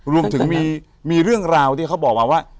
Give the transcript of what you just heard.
รวมถึงมีเรื่องราวที่เขาบอกมาว่า